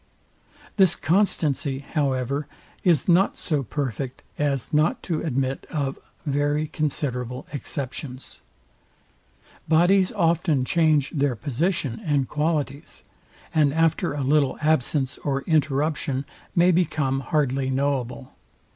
This constancy, however, is not so perfect as not to admit of very considerable exceptions. Bodies often change their position and qualities, and after a little absence or interruption may become hardly knowable.